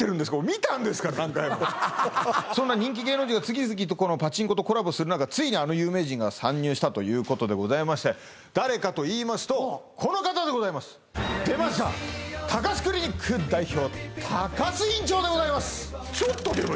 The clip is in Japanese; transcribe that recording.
見たんですから何回もそんな人気芸能人が次々とパチンコとコラボする中ついにあの有名人が参入したということでございまして誰かといいますとこの方でございます出ました高須クリニック代表高須院長でございます